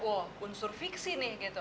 wah unsur fiksi nih